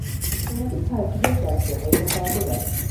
اتومبیل ترکیبی از دستگاههای متعدد است.